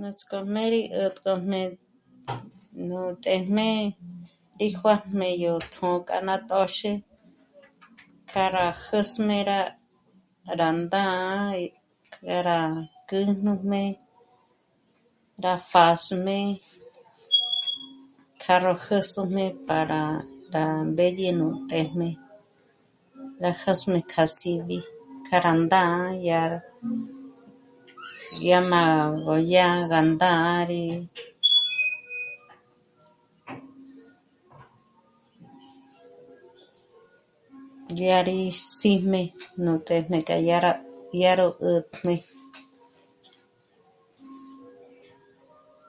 Nuts'k'ójmé rí 'ä̀tk'ojmé nú téjm'e í juā̂jmé yó tjṓ'ō k'a ná t'ö̌xü k'a rá jä̀s'üjmé rá, rá ndá'a í k'a rá kjǜjnüjmé, rá pjásjme k'a ró jä̀s'üjmé para rá mbédye nú téjm'e, rá jä̀s'üjmé k'a síbi k'a rá ndá'a yá rá, yá má b'ôdya gá ndá'a rí dyà rí síjmé nú pèjme k'a yá rá, yá ró 'ä̀tjmé